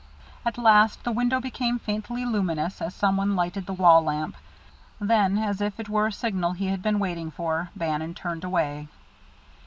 At last the window became faintly luminous, as some one lighted the wall lamp; then, as if it were a signal he had been waiting for, Bannon turned away.